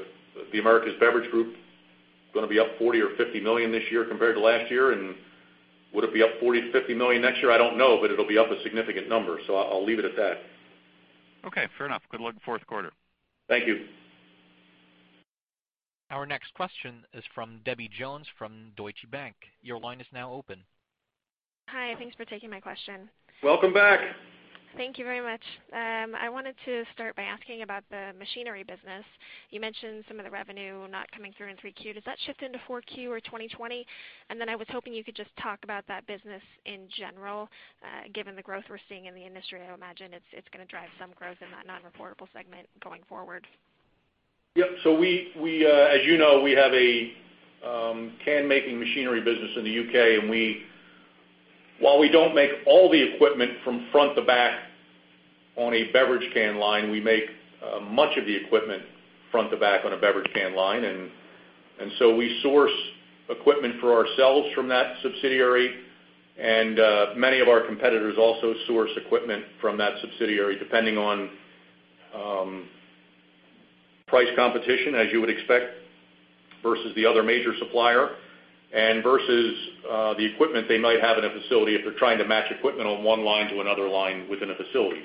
the Americas Beverage group is going to be up $40 million or $50 million this year compared to last year. Would it be up $40 million-$50 million next year? I don't know. It'll be up a significant number. I'll leave it at that. Okay, fair enough. Good luck fourth quarter. Thank you. Our next question is from Debbie Jones from Deutsche Bank. Your line is now open. Hi, thanks for taking my question. Welcome back. Thank you very much. I wanted to start by asking about the machinery business. You mentioned some of the revenue not coming through in 3Q. Does that shift into 4Q or 2020? Then I was hoping you could just talk about that business in general, given the growth we're seeing in the industry, I would imagine it's going to drive some growth in that non-reportable segment going forward. Yep. As you know, we have a can-making machinery business in the U.K. While we don't make all the equipment from front to back on a beverage can line, we make much of the equipment front to back on a beverage can line. We source equipment for ourselves from that subsidiary, and many of our competitors also source equipment from that subsidiary, depending on price competition, as you would expect, versus the other major supplier and versus the equipment they might have in a facility if they're trying to match equipment on one line to another line within a facility.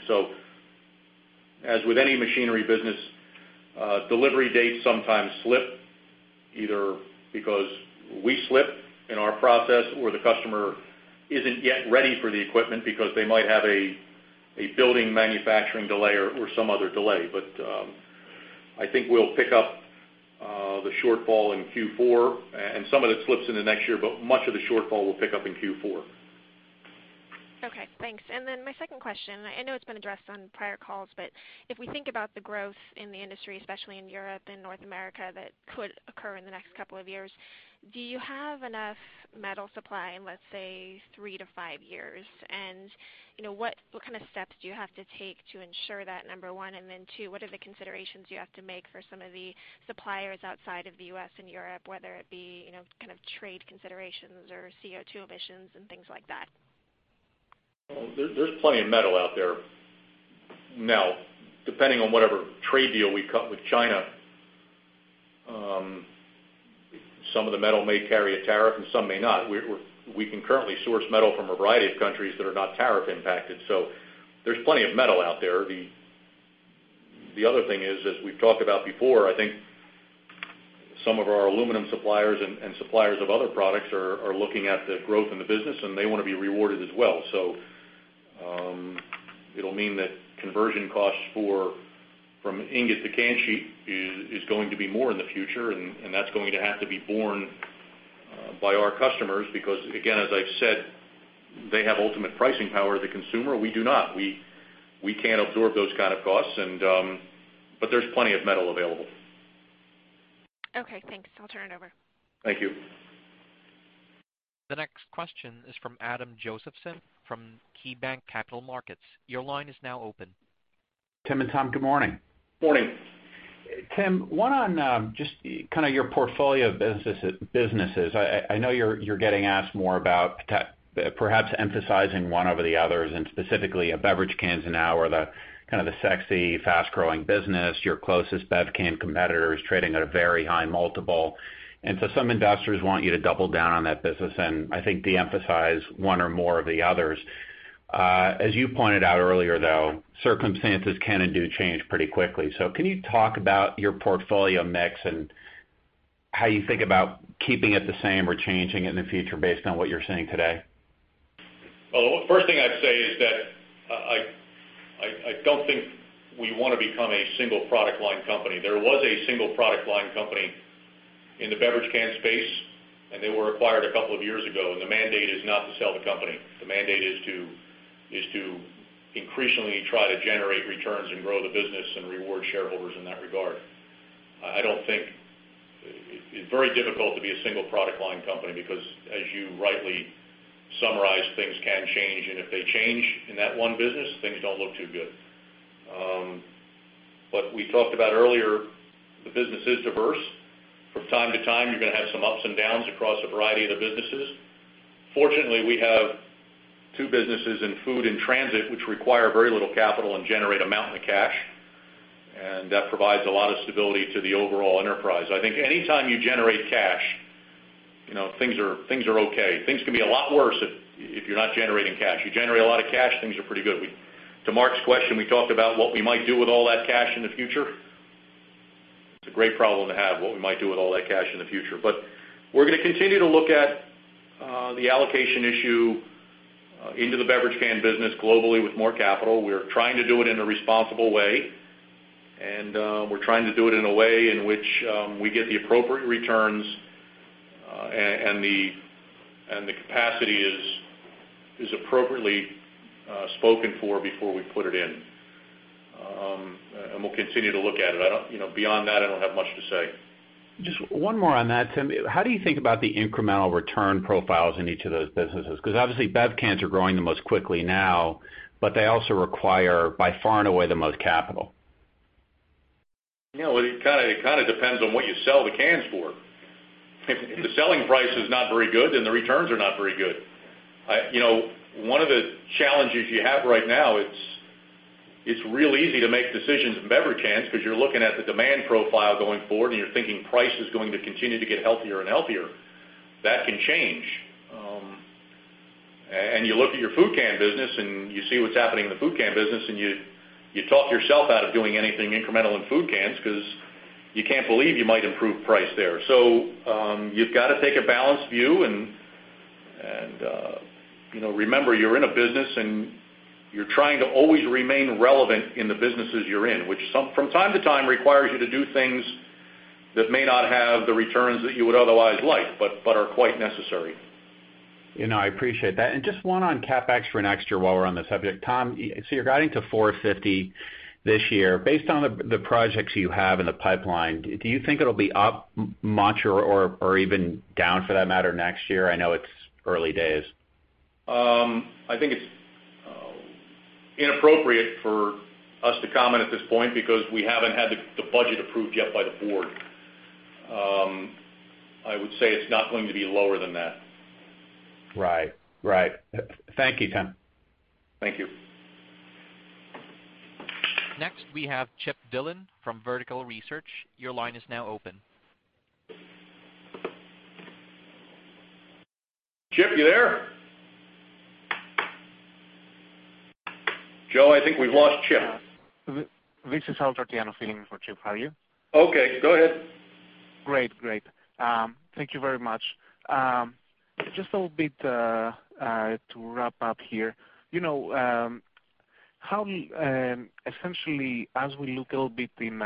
As with any machinery business, delivery dates sometimes slip, either because we slip in our process or the customer isn't yet ready for the equipment because they might have a building manufacturing delay or some other delay. I think we'll pick up the shortfall in Q4 and some of it slips into next year, but much of the shortfall will pick up in Q4. Okay, thanks. My second question, I know it's been addressed on prior calls, but if we think about the growth in the industry, especially in Europe and North America, that could occur in the next couple of years, do you have enough metal supply in, let's say, three to five years? What kind of steps do you have to take to ensure that, number 1, and then 2, what are the considerations you have to make for some of the suppliers outside of the U.S. and Europe, whether it be trade considerations or CO2 emissions and things like that? There's plenty of metal out there. Depending on whatever trade deal we cut with China, some of the metal may carry a tariff and some may not. We can currently source metal from a variety of countries that are not tariff impacted. There's plenty of metal out there. The other thing is, as we've talked about before, I think some of our aluminum suppliers and suppliers of other products are looking at the growth in the business, and they want to be rewarded as well. It'll mean that conversion costs from ingot to can sheet is going to be more in the future, and that's going to have to be borne by our customers because, again, as I've said, they have ultimate pricing power, the consumer. We do not. We can't absorb those kind of costs, but there's plenty of metal available. Okay, thanks. I'll turn it over. Thank you. The next question is from Adam Josephson from KeyBanc Capital Markets. Your line is now open. Tim and Tom, Good morning. Morning. Tim, one on just kind of your portfolio of businesses. I know you're getting asked more about perhaps emphasizing one over the others and specifically Beverage cans now are the kind of the sexy, fast-growing business. Your closest bev can competitor is trading at a very high multiple. Some investors want you to double down on that business and I think de-emphasize one or more of the others. As you pointed out earlier, though, circumstances can and do change pretty quickly. Can you talk about your portfolio mix and how you think about keeping it the same or changing it in the future based on what you're seeing today? The first thing I'd say is that I don't think we want to become a single-product line company. There was a single-product line company in the beverage can space, and they were acquired a couple of years ago, and the mandate is not to sell the company. The mandate is to increasingly try to generate returns and grow the business and reward shareholders in that regard. It's very difficult to be a single-product line company because, as you rightly summarize, things can change, and if they change in that one business, things don't look too good. What we talked about earlier, the business is diverse. From time to time, you're going to have some ups and downs across a variety of the businesses. Fortunately, we have two businesses in food and transit which require very little capital and generate a mountain of cash, that provides a lot of stability to the overall enterprise. I think anytime you generate cash, things are okay. Things can be a lot worse if you're not generating cash. You generate a lot of cash, things are pretty good. To Mark's question, we talked about what we might do with all that cash in the future. It's a great problem to have, what we might do with all that cash in the future. We're going to continue to look at the allocation issue into the beverage can business globally with more capital. We're trying to do it in a responsible way, and we're trying to do it in a way in which we get the appropriate returns, and the capacity is appropriately spoken for before we put it in. We'll continue to look at it. Beyond that, I don't have much to say. Just one more on that, Tim. How do you think about the incremental return profiles in each of those businesses? Obviously, bev cans are growing the most quickly now, but they also require by far and away, the most capital. It kind of depends on what you sell the cans for. If the selling price is not very good, then the returns are not very good. One of the challenges you have right now, it's real easy to make decisions in beverage cans because you're looking at the demand profile going forward, and you're thinking price is going to continue to get healthier and healthier. That can change. You look at your food can business, and you see what's happening in the food can business, and you talk yourself out of doing anything incremental in food cans because you can't believe you might improve price there. You've got to take a balanced view, and remember, you're in a business and you're trying to always remain relevant in the businesses you're in, which from time to time, requires you to do things that may not have the returns that you would otherwise like, but are quite necessary. I appreciate that. Just one on CapEx for next year while we're on the subject. Tom, you're guiding to $450 this year. Based on the projects you have in the pipeline, do you think it'll be up much or even down for that matter next year? I know it's early days. I think it's inappropriate for us to comment at this point because we haven't had the budget approved yet by the board. I would say it's not going to be lower than that. Right. Thank you, Tim. Thank you. Next, we have Chip Dillon from Vertical Research. Your line is now open. Chip, you there? Joe, I think we've lost Chip. This is Al Tarchiano filling in for Chip. How are you? Okay, go ahead. Great. Thank you very much. Just a little bit to wrap up here. Essentially, as we look a little bit in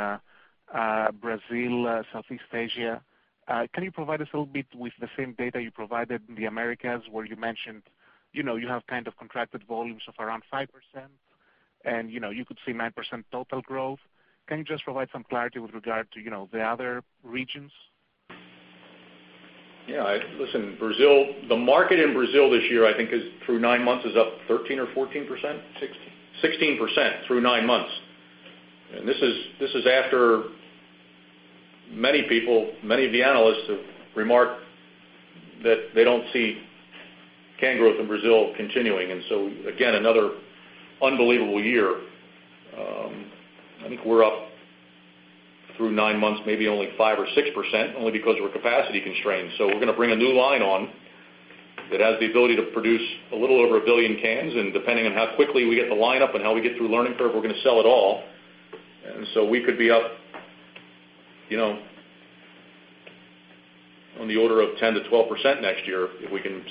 Brazil, Southeast Asia, can you provide us a little bit with the same data you provided in the Americas, where you mentioned you have kind of contracted volumes of around 5%, and you could see 9% total growth? Can you just provide some clarity with regard to the other regions? Yeah. Listen, the market in Brazil this year, I think is, through nine months, is up 13% or 14%? 16. 16% through nine months. This is after many people, many of the analysts have remarked that they don't see can growth in Brazil continuing. Again, another unbelievable year. I think we're up through nine months, maybe only 5 or 6%, only because we're capacity constrained. We're going to bring a new line on that has the ability to produce a little over 1 billion cans, and depending on how quickly we get the line up and how we get through learning curve, we're going to sell it all. We could be up on the order of 10%-12% next year if we can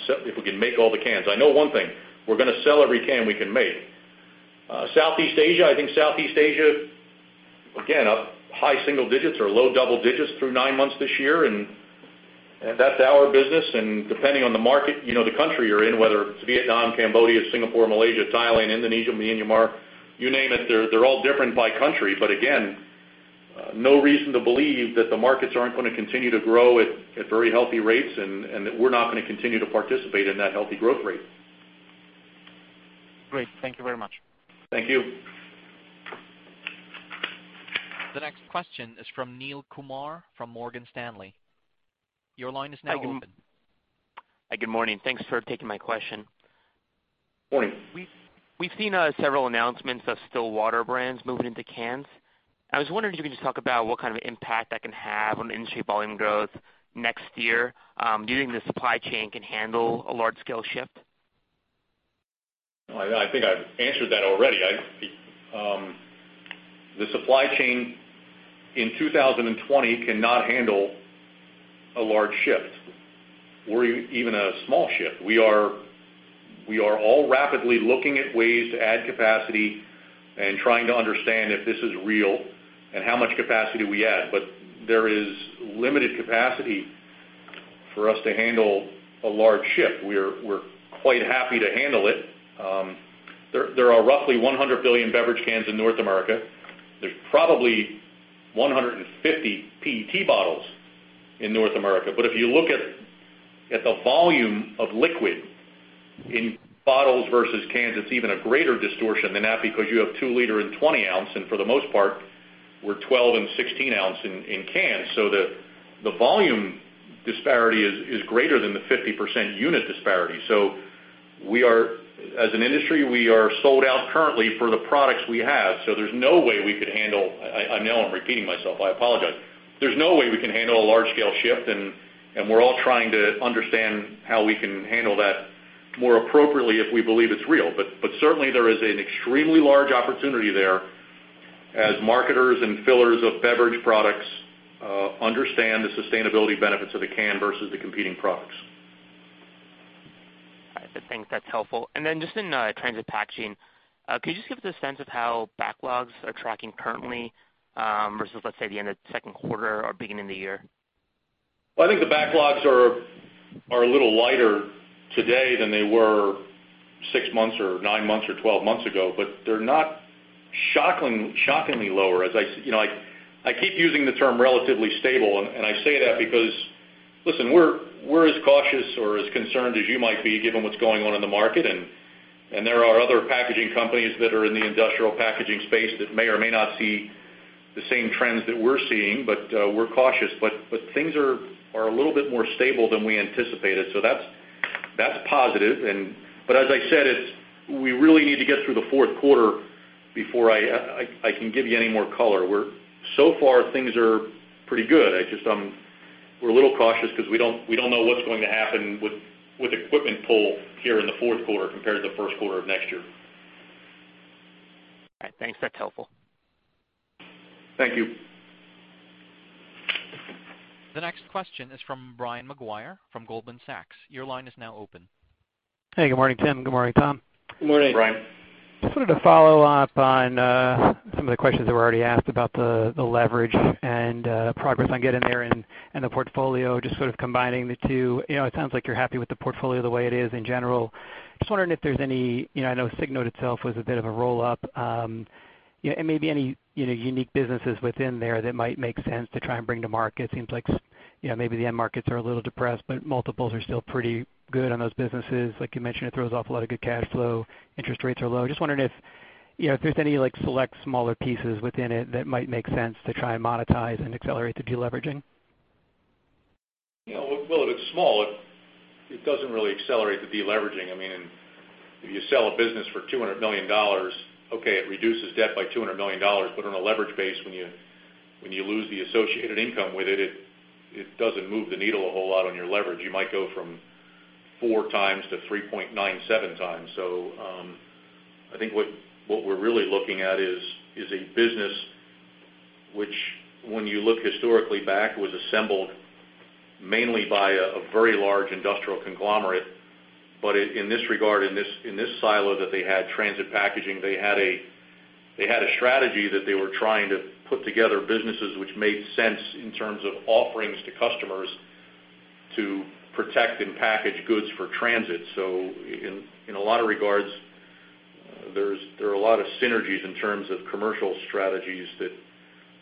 make all the cans. I know one thing. We're going to sell every can we can make. Southeast Asia, I think Southeast Asia, again, up high single digits or low double digits through nine months this year, and that's our business. Depending on the market, the country you're in, whether it's Vietnam, Cambodia, Singapore, Malaysia, Thailand, Indonesia, Myanmar, you name it, they're all different by country. Again, no reason to believe that the markets aren't going to continue to grow at very healthy rates and that we're not going to continue to participate in that healthy growth rate. Great. Thank you very much. Thank you. The next question is from Neel Kumar from Morgan Stanley. Your line is now open. Hi, good morning. Thanks for taking my question. Morning. We've seen several announcements of still water brands moving into cans. I was wondering if you can just talk about what kind of impact that can have on industry volume growth next year, given the supply chain can handle a large scale shift. I think I've answered that already. The supply chain in 2020 cannot handle a large shift or even a small shift. We are all rapidly looking at ways to add capacity and trying to understand if this is real and how much capacity we add. There is limited capacity for us to handle a large shift. We're quite happy to handle it. There are roughly 100 billion beverage cans in North America. There's probably 150 PET bottles in North America. If you look at the volume of liquid in bottles versus cans, it's even a greater distortion than that because you have two liter and 20 ounce, and for the most part, we're 12 and 16 ounce in cans. The volume disparity is greater than the 50% unit disparity. As an industry, we are sold out currently for the products we have. There's no way we could handle-- I know I'm repeating myself. I apologize. There's no way we can handle a large-scale shift, and we're all trying to understand how we can handle that more appropriately if we believe it's real. Certainly, there is an extremely large opportunity there as marketers and fillers of beverage products understand the sustainability benefits of the can versus the competing products. All right. Thanks. That's helpful. Then just in Transit Packaging, could you just give us a sense of how backlogs are tracking currently, versus, let's say, the end of second quarter or beginning of the year? Well, I think the backlogs are a little lighter today than they were six months, or nine months, or 12 months ago, but they're not shockingly lower. I keep using the term relatively stable, and I say that because, listen, we're as cautious or as concerned as you might be given what's going on in the market, and there are other packaging companies that are in the industrial packaging space that may or may not see the same trends that we're seeing, but we're cautious. Things are a little bit more stable than we anticipated, so that's positive. As I said, we really need to get through the fourth quarter before I can give you any more color. So far, things are pretty good. We're a little cautious because we don't know what's going to happen with equipment pull here in the fourth quarter compared to the first quarter of next year. All right, thanks. That's helpful. Thank you. The next question is from Brian Maguire from Goldman Sachs. Your line is now open. Good morning, Tim. Good morning, Tom. Good morning. Good morning, Brian. Just wanted to follow up on some of the questions that were already asked about the leverage and progress on getting there and the portfolio, just sort of combining the two. It sounds like you're happy with the portfolio the way it is in general. Just wondering if there's any, I know Signode itself was a bit of a roll-up, and maybe any unique businesses within there that might make sense to try and bring to market. Seems like maybe the end markets are a little depressed, but multiples are still pretty good on those businesses. Like you mentioned, it throws off a lot of good cash flow. Interest rates are low. Just wondering if there's any select smaller pieces within it that might make sense to try and monetize and accelerate the de-leveraging. Well, it's small. It doesn't really accelerate the de-leveraging. If you sell a business for $200 million, okay, it reduces debt by $200 million. On a leverage base, when you lose the associated income with it doesn't move the needle a whole lot on your leverage. You might go from four times to 3.97 times. I think what we're really looking at is a business which, when you look historically back, was assembled mainly by a very large industrial conglomerate. In this regard, in this silo that they had Transit Packaging, they had a strategy that they were trying to put together businesses which made sense in terms of offerings to customers to protect and package goods for transit. In a lot of regards, there are a lot of synergies in terms of commercial strategies that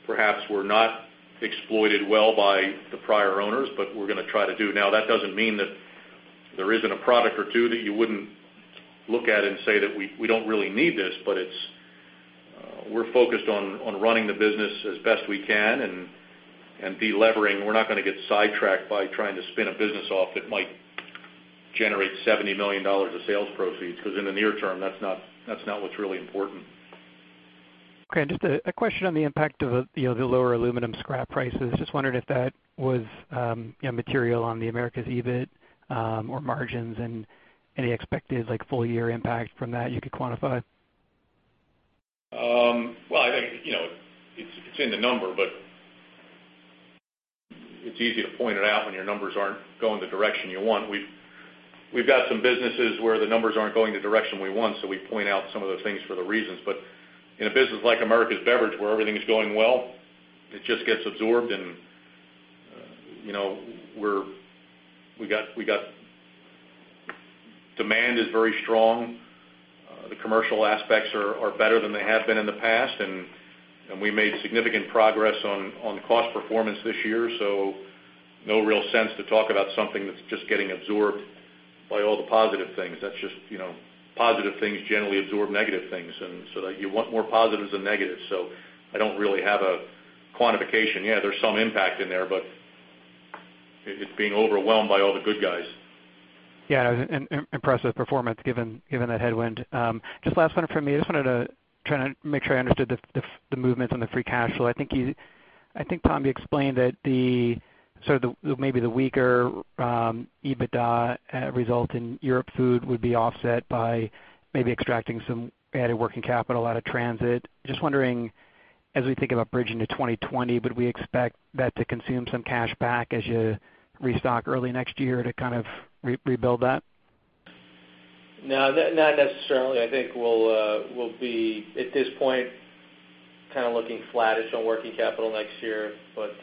perhaps were not exploited well by the prior owners, but we're going to try to do now. That doesn't mean that there isn't a product or two that you wouldn't look at it and say that we don't really need this, but we're focused on running the business as best we can and de-levering. We're not going to get sidetracked by trying to spin a business off that might generate $70 million of sales proceeds, because in the near term, that's not what's really important. Okay. Just a question on the impact of the lower aluminum scrap prices. Just wondering if that was material on the Americas EBIT or margins, and any expected full-year impact from that you could quantify? Well, I think it's in the number, but it's easy to point it out when your numbers aren't going the direction you want. We've got some businesses where the numbers aren't going the direction we want, so we point out some of the things for the reasons. In a business like Americas Beverage, where everything's going well, it just gets absorbed, and demand is very strong. The commercial aspects are better than they have been in the past, and we made significant progress on cost performance this year. No real sense to talk about something that's just getting absorbed by all the positive things. Positive things generally absorb negative things, and so you want more positives than negatives. I don't really have a quantification. Yeah, there's some impact in there, but it's being overwhelmed by all the good guys. An impressive performance given that headwind. Last one from me. I just wanted to try to make sure I understood the movements on the free cash flow. Tom, you explained that maybe the weaker EBITDA result in Europe Food would be offset by maybe extracting some added working capital out of Transit. As we think about bridging to 2020, would we expect that to consume some cash back as you restock early next year to kind of rebuild that? No, not necessarily. I think we'll be, at this point, kind of looking flattish on working capital next year, but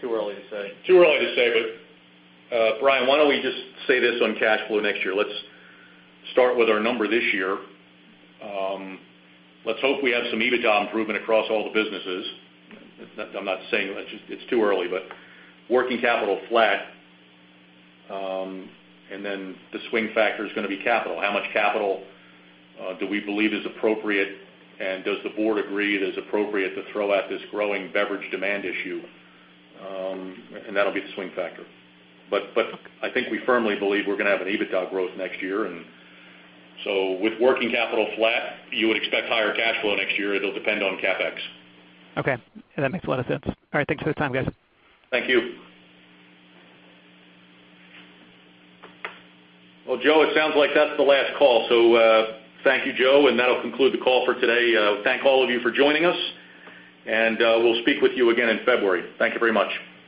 too early to say. Too early to say, Brian, why don't we just say this on cash flow next year. Let's start with our number this year. Let's hope we have some EBITDA improvement across all the businesses. I'm not saying, it's too early, working capital flat, the swing factor is going to be capital. How much capital do we believe is appropriate, does the board agree it is appropriate to throw at this growing beverage demand issue? That'll be the swing factor. I think we firmly believe we're going to have an EBITDA growth next year. With working capital flat, you would expect higher cash flow next year. It'll depend on CapEx. Okay. That makes a lot of sense. All right. Thanks for the time, guys. Thank you. Well, Joe, it sounds like that's the last call. Thank you, Joe, and that'll conclude the call for today. Thank all of you for joining us, and we'll speak with you again in February. Thank you very much.